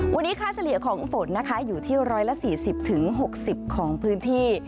วันนี้ค่าเฉลี่ยของฝนนะคะอยู่ที่๑๔๐๖๐ของพื้นที่